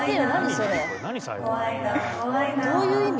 どういう意味？